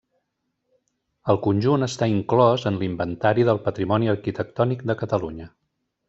El conjunt està inclòs en l'Inventari del Patrimoni Arquitectònic de Catalunya.